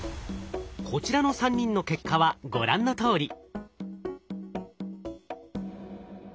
こちらの３人の結果はご覧のとおり。